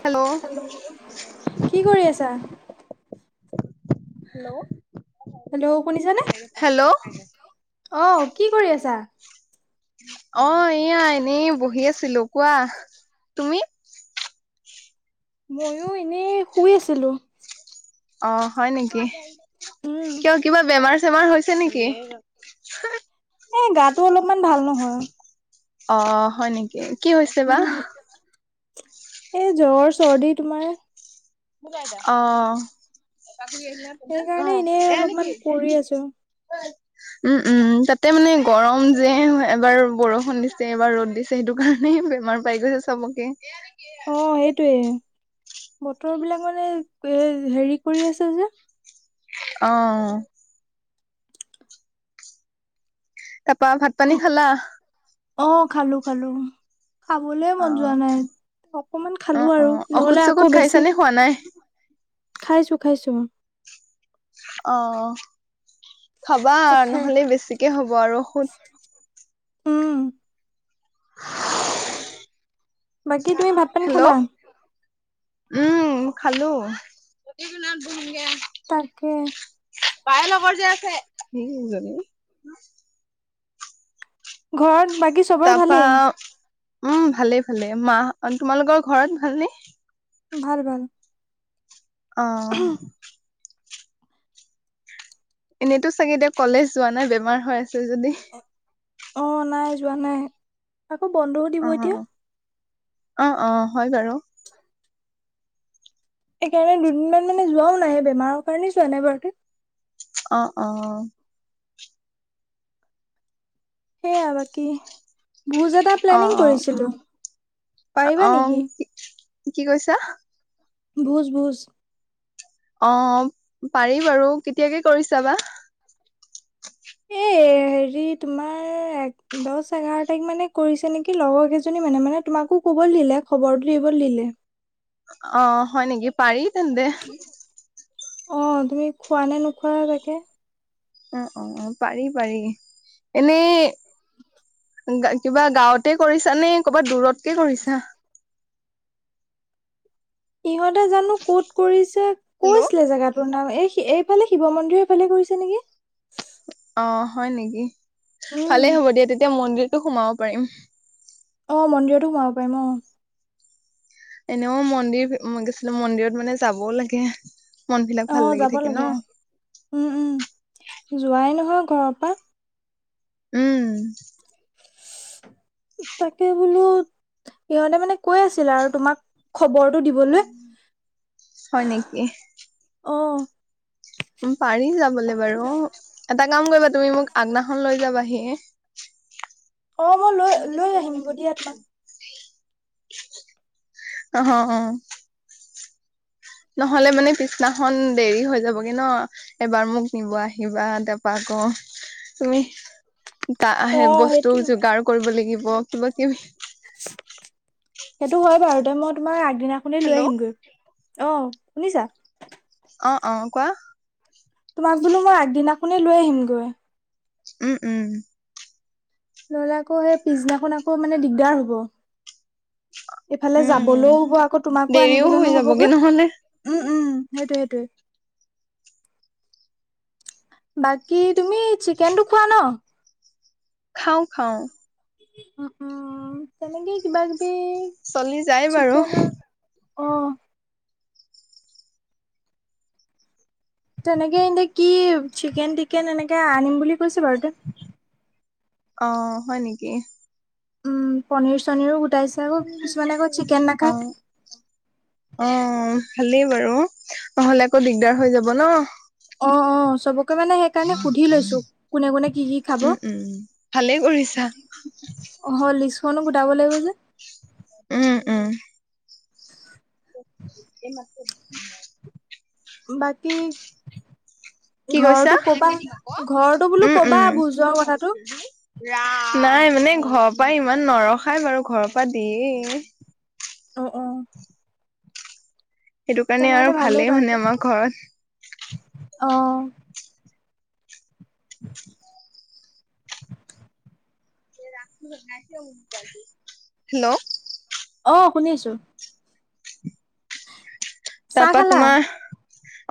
Hello. কি কৰি আছা? হেল্লো', হেল্ল' শুনিছানে? হেল্লো'। অ' কি কৰি আছা? অ' এইয়া এনেই বহি আছিলোঁ কোৱা। তুমি? ময়ো এনেই শুই আছিলোঁ। অ' হয় নেকি। উম, কিয় কিবা বেমাৰ চেমাৰ হৈছে নেকি? এ গাটো অলপমান ভাল নহয়। অ' হয় নেকি? কি হৈছে বা। উম। এই জ্বৰ চৰ্দি তোমাৰ। অ'। এটা [unintelligible] সেইকাৰণে এনেই অলপমান পৰি আছোঁ। উ উ তাতে মানে গৰম যে এবাৰ বৰষুণ দিছে, এবাৰ ৰ'দ দিছ ছে হেটো কাৰণেই বেমাৰ পাই গৈছে চবকে। অ' হেটোৱে বতৰ বিলাক মানে এ হেৰি কৰি আছে যে। অ'। তাপা ভাত পানী খালা? অ' খালোঁ খালোঁ, খাবলৈ অ মন যোৱা নাই। অকমান অ খালোঁ অ আৰু ঔষধ নহ'লে চৌষধ আকৌ বেছি, খাইছানে খোৱা নাই খাইছোঁ খাইছোঁ। অ' খাবা ক'ত খাই নহ'লে বেছিকে হ'ব আৰু ষুদ উম, বাকী তুমি ভাত পানী হেল্ল' খালা? উম খালোঁ। [unintelligible] তাকে, বায়ে লগৰ যে আছে সেইজনী ঘৰত বাকী চব তাৰপৰা, উম, ভালে, ভালে মাহ, তোমালোকৰ ঘৰত ভালনে? ভাল, ভাল। অ', এনেতো চাগে এতিয়া কলেজ যোৱা নাই, বেমাৰ হৈ আছে যদি। অ', নাই, যোৱা নাই। আকৌ বন্ধও দিব অ এতিয়া। অ', অ', হয় বাৰু। সেইকাৰণে দুদিনমান মানে যোৱাও নাই, বেমাৰৰ কাৰণে যোৱা নাই বাৰু। অ', অ', অ', সেয়া বাকী, ভোজ এটা অ প্লেনিং অ কৰিছিলোঁ। পাৰিবা অ নেকি? কি কৈছা? ভোজ, ভোজ। অ', পাৰি বাৰু, কেতিয়াকে কৰিছাঁ বা? এ, হেৰি, তোমাৰ দহ, এঘাৰ তাৰিখ মানে কৰিছে নেকি? লগৰ কেইজনী মানে, মানে তোমাকো ক'বলৈ দিলে, খবৰটো দিবলৈ দিলে। অ', হয় নেকি, পাৰি তেন্তে। অ', তুমি খোৱা নে নোখোৱা? তাকে অ', অ', অ', পাৰি, পাৰি এনে। দা কিবা গাঁৱতে কৰিছাঁ নে ক'ৰবাত দূৰতকে কৰিছাঁ? ইহঁতে জানো ক'ত কৰিছে, হেল্ল' কৈছিলে জেগাতো। প্ৰণাম, এই এইফালে শিৱ মন্দিৰ ফালে কৰিছে নেকি? অ', হয় নেকি। উম ভালেই হ'ব দিয়া, তেতিয়া মন্দিৰটো সোমাব পাৰিম। অ', মন্দিৰতো সোমাব পাৰিম অ'। এনেও মন্দিৰ শিৱ মন্দিৰ-চন্দিৰ মন্দিৰত মানে যাবও লাগে। মন বিলাক ভাল অ', লাগি যাব থাকে ন। লাগে। উম, উম, যোৱাই নহয় ঘৰৰ পৰা। উম, তাকে বোলো, ইহঁতে মানে কৈ আছিলে আৰু তোমাক খবৰটো দিবলৈ। হয় নেকি অ', পাৰিম যাবলৈ বাৰু এটা কাম কৰিবা, তুমি মোক আগদিনাখন লৈ যাবাহি। হ'ব মই লৈ, লৈ আহিম। [unintelligible] অ', অ', অ', নহ'লে মানে পিছদিনাখন দেৰি হৈ যাবহি ন। এবাৰ মোক নিব আহিবা, তাৰপৰা আকৌ তুমি তা অ আহে, সেইটো বস্তুও যোগাৰ কৰিব লাগিব, কিবা কিবি। সেইটো হয় বাৰু দে, মই তোমাক আগদিনাখনেই লৈ হেল্ল' আহিমগৈ। অ', শুনিছা? অ', অ', কোৱা। তোমাক বোলো মই আগদিনাখনেই লৈ আহিমগৈ। উম, উম। নহলে আকৌ সেই পিছদিনাখন আকৌ মানে দিগদাৰ হব ইফালে উম যাবলৈও হ'ব আকৌ তোমাকো দেৰিও আনিবলৈ হৈ যাবগে নহবগৈ নহলে উম উম সেইটোয়ে সেইটোয়ে বাকী তুমি চিকেনটো খোৱা ন খাওঁ খাওঁ উম উম তেনেকে কিবা কিবি চলি যায় বাৰু চিকেন অ তেনেকে এহেতি কি চিকেন টিকেন এনেকে আনিম বুলি কৈছে বাৰু এতিয়া অ হয় নেকি উম পনীৰ চনিৰো গোটাইছে আকৌ কিছুমানে আকৌ চিকেন অ নাখায় অ ভালেই বাৰু নহলে আকৌ দিগদাৰ হৈ যাব ন অ অ চবকে মানে সেইকাৰণে সুধি লৈছো কোনে কোনে কি কি খাব ভালে কৰিছা অ লিষ্টখনো গোটাব লাগিব যে উম উম চিকেন আছেই বাকী কি কৈছা ঘৰটো কবা ঘৰটো বোলো উম উম কবা ভুজৰ কথাটো নাই মানে ঘৰৰ পৰা ইমান নৰখাই বাৰু ঘৰৰ পৰা দিয়েই অ অ সেইটো কাৰণে তেনেহ'লে আৰু ভালেই মানে বাৰুতে। আমাৰ ঘৰত অ [unintelligible] [unintelligible] হেল্ল' অ শুনিছো তাৰ চাহ পৰা খালা? তোমাৰ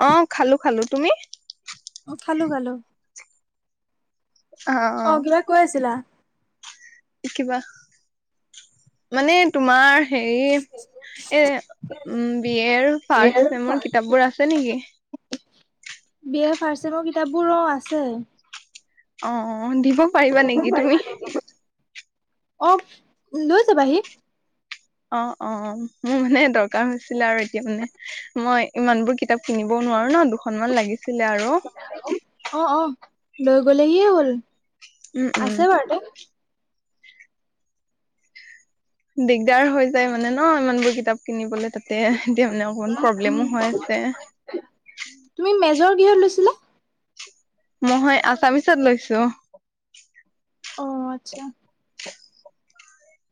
অ খালো খালো তুমি অ খালো খালো অ কিবা কৈ আছিলা কিবা মানে তোমাৰ হেৰি এ উম বি এ ৰ ফাৰ্ষ্ট চেমৰ কিতাপবোৰ আছে নেকি বিএ ফাৰ্ষ্ট চেমৰ কিতাপবোৰ অ আছে অ অ দিব পাৰিবা দিব নেকি তুমি পাৰিবা নেকি অ লৈ যাবাহি অ অ মোৰ মানে দৰকাৰ হৈছিলে আৰু এতিয়া মানে মই ইমানবোৰ কিতাপ কিনিবও নোৱাৰো ন দুখনমান লাগিছিলে আৰু অ অ লৈ গলেহিয়ে হ'ল উম উম আছে বাৰু এইয়াতে দিগদাৰ হৈ যায় মানে ন ইমান বোৰ কিতাপ কিনিবলে তাতে এতিয়া মানে অকণমান উম প্ৰব্লেমো হৈ আছে তুমি মেজৰ কিহত লৈছিলা মই আছামিচত লৈছো অ আচ্ছা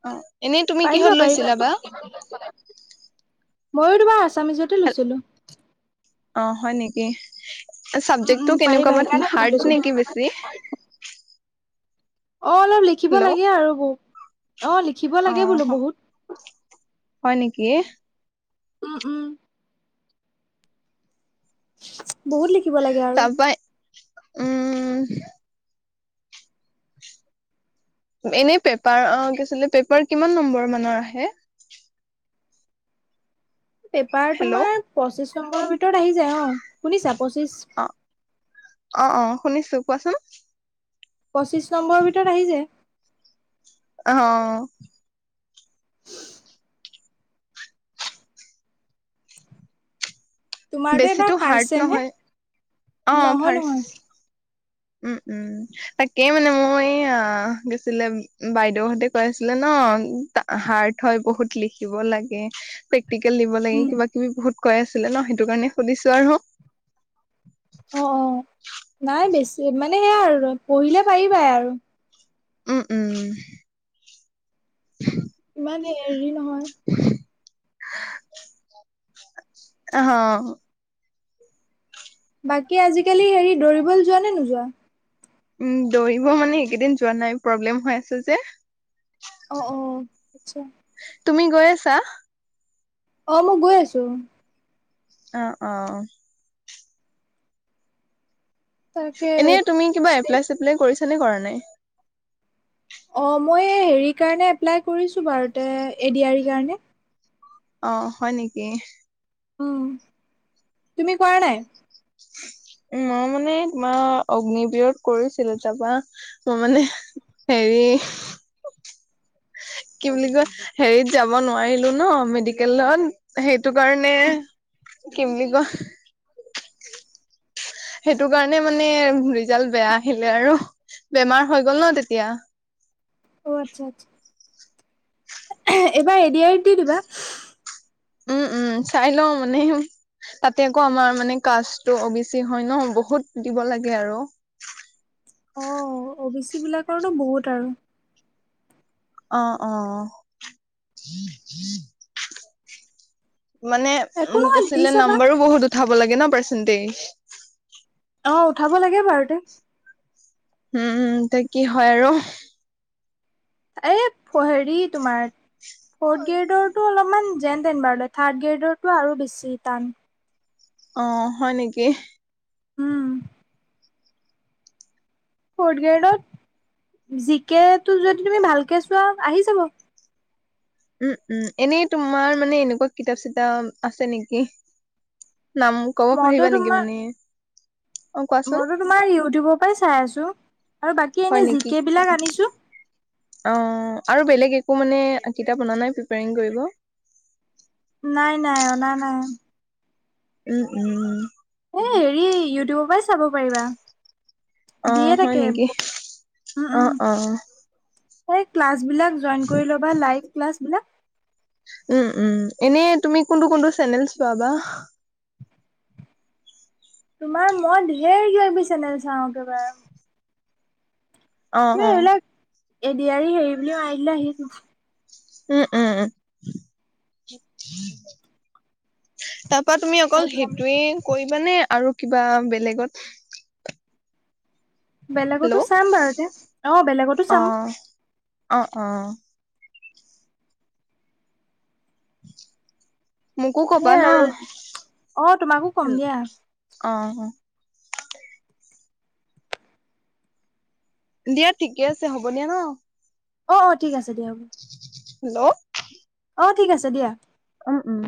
অ এনেই তুমি কিহত পাৰিবা পাৰিবা লৈছিলা বা মইয়ো তোমাৰ আছামিচতে লৈছিলো অ হয় নেকি উম উম ছাবজেক্টটো কেনেকুৱা পাৰিবা বা সেইকাৰণে সুধি হাৰ্ড লৈছো নেকি বেছি অ অলপ লিখিব হেল্ল' লাগে আৰু ব অ লিখিব অ লাগে বোলো বহুত হয় নিকিহ উ উম বহুত লিখিব লাগে আৰু উহ এনেই পেপাৰ অ কি আছিলে পেপাৰ কিমান নম্বৰ মানৰ আহে পেপাৰ হেল্ল' তোমাৰ পঁচিশ নম্বৰৰ ভিতৰত আহি যায় অ শুনিছা পঁচিছ অ অ অ শুনিছো কোৱাচোন পঁচিছ নম্বৰ ভিতৰত আহিছে অ তোমাৰতো এবাৰ বেছিতো ফাৰ্ষ্ট হাৰ্ড চেম হে নহয় অ নহয় নহয় ফাৰ্ছ উম উম তাকেই মানে মোৰ এই আহ কি আছিলে বাইদেউৰ সতে কৈ আছিলে ন তা হাৰ্ট হয় বহুত লিখিব লাগে পেক ৰ্টিকেল দিব লাগে উম, কিবা কিবি বহুত কয় আছিলে ন সেইটো কাৰণে সুধিছো আৰু অ অ নাই বেছি মানে সেয়া আৰু পঢ়িলে পাৰিবাই আৰু উম উম ইমান এৰি নহয় অ বাকি আজিকালি হেৰি দৌৰিবলে যোৱা নে নোযোৱা উম দৌৰিব মানে এইকেইদিন যোৱা নাই প্ৰব্লেম হৈ আছে যে অ অ আটচছা তুমি গৈ আছা অ মই গৈ আছো অ অ তাকে এনেই তুমি কিবা ষ্টে- এপ্লাই চপ্লাই কৰিছা নে কৰা নাই অঁ মই হেৰিৰ কাৰণে এপ্লাই কৰিছোঁ বাৰু তে এ ডি আৰ ই কাৰণে অ হয় নেকি উম তুমি কৰা নাই উ মই মানে তোমাৰ অগ্ন বিৰত কৰিছিলো তাৰপা মই মানে হেৰিহ কি বুলি কয় হেৰিত যাব নোৱাৰিলো ন মেডিকেলত সেইটো কাৰণে কি বুলি কহ সেইটো কাৰণে মানে ৰিজাল্ট বেয়া আহিলে আৰু বেমাৰ হৈ গ'ল ন তেতিয়া অ আচ্ছা আচ্ছা এইবাৰ এ দি আৰি দি দিবা উম উম চাই লও মানে উ তাতে আকৌ আমাৰ মানে কাচটো অ বেচি হয় ন বহুত দিব লাগে আৰু অঁ অ' বি চি বিলাকৰো বহুত আৰু অ অ মানে একো উ নহয় দি বেছিলে চাবা। নাম্বাৰো বহুত উঠাব লাগে ন পাৰৰ্চেণ্টিছ অ উঠাব লাগে বাৰু টো উম উম ত কি হয় আৰু এই প হেৰি তোমাৰ ফৰ্থ গ্ৰেডৰটো অলপ অকমান যেন তেন বাৰ থাৰ্ড গ্ৰেডৰটো আৰু বেছি টান অ হয় নিকিহ উম ফৰ্থ গ্ৰেডত জি কেটো যদি তুমি ভালকে চোৱা আহি যাব উম, উম এনেই তোমাৰ মানে এনেকুৱা কিতাপ চিতাপ আছে নেকি? নাম ক'ব মইতো পাৰিবা নেকি তোমাৰ মানে অ' কোৱাচোন। মইতো তোমাৰ ইউটিউবৰ পৰাই চাই আছো আৰু বাকী এনে হয় নেকি জিকে বিলাক আনিছো। অ' আৰু বেলেগ একো মানে কিতাপ অনা নাই প্ৰিপিয়াৰিং কৰিব? নাই, নাই অনা নাই। উম উম। হেই হেৰি ইউটিউবৰ পৰাই চাব পাৰিবা। অ দিয়ে হয় থাকে নেকি উম, অ উম। অ সেই ক্লাছ বিলাক জইন কৰি ল'বা লাইভ ক্লাছ বিলাক। উম, উম এনেই তুমি কোনটো কোনটো চেনেল চোৱা বা? তোমাৰ মই ধেৰ কিবা কিবি চেনেল চাও একেবাৰে অ' তুমি অ'। এইবিলাক এডিয়াৰী হেৰি বুলিও মাৰি দিলে আহিব। উ-উম। তাৰপৰা তুমি অকল যাব সেইটোয়ে কৰিবানে আৰু কিবা বেলেগত? হেল্ল' বেলেগতো চাম বাৰু এয়া অ' বেলেগতো অ চাম। অ' অ'। মোকো কবা সেইয়াই ন'। আৰু অ তোমাকো কম দিয়া অ' অ'। দিয়া ঠিকে আছে, হ'ব দিয়া ন। অ' অ' ঠিক আছে দিয়া হ'ব। হেল্ল'। অ' ঠিক আছে দিয়া। উম, উম।